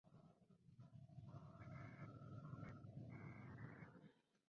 Realizada íntegramente en alta definición y con efectos especiales.